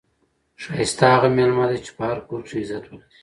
ښایسته هغه میلمه دئ، چي په هر کور کښي عزت ولري.